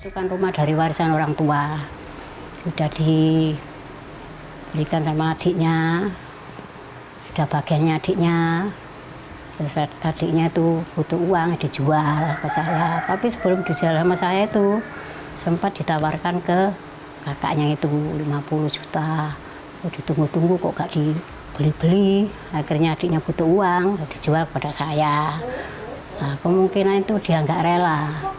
kemungkinan itu dia tidak rela